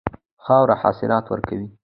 خاوره حاصلات ورکوي.